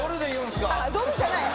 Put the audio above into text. ドルじゃない円